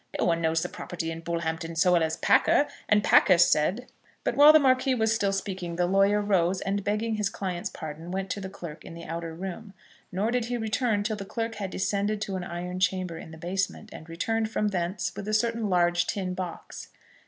No one knows the property in Bullhampton so well as Packer, and Packer said " But while the Marquis was still speaking the lawyer rose, and begging his client's pardon, went to the clerk in the outer room. Nor did he return till the clerk had descended to an iron chamber in the basement, and returned from thence with a certain large tin box.